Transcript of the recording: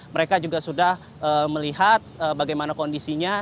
mereka juga sudah melihat bagaimana kondisinya